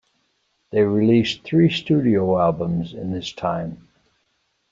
They released three studio albums in this time.